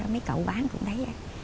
mấy cậu bán cũng thấy